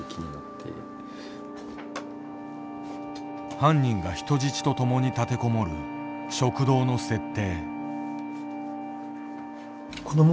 犯人が人質と共に立てこもる食堂の設定。